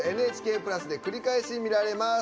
「ＮＨＫプラス」で繰り返し見られます。